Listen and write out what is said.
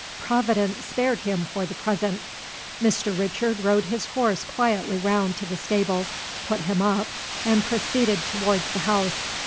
Providence spared him for the present. Mr. Richard rode his horse quietly round to the stable, put him up, and proceeded towards the house.